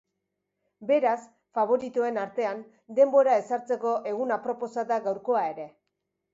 Beraz, faboritoen artean denbora ezartzeko egun aproposa da gaurkoa ere.